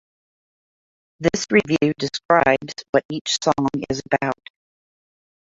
This review describes what each song is about.